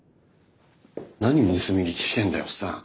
何盗み聞きしてんだよおっさん！